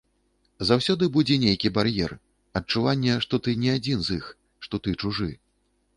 Заўсёды будзе нейкі бар'ер, адчуванне, што ты не адзін з іх, што ты чужы.